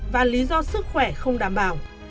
và lý do sức khỏe không đảm bảo